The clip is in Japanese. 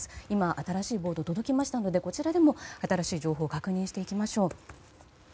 今新しいボードが届きましたので新しい情報を確認していきましょう。